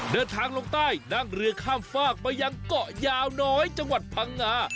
เดินทางลงใต้นั่งเรือข้ามฝากมายังเกาะยาวน้อยจังหวัดพังงา